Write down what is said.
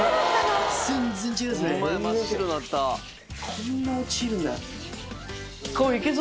こんな落ちるんだ。